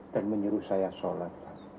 dan menyuruh saya sholat